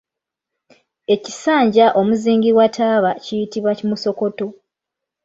Ekisanja omuzingibwa taaba kiyitibwa Musokoto.